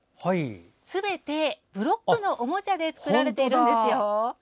すべてブロックのおもちゃで作られているんですよ。